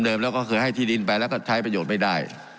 เดิมคือให้ที่ดินไปแล้วใช้ประโยชน์ไม่ได้